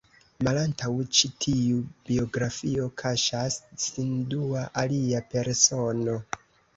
Malantaŭ ĉi-tiu biografio kaŝas sin dua, alia persono.